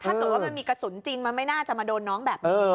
ถ้าเกิดว่ามันมีกระสุนจริงมันไม่น่าจะมาโดนน้องแบบนี้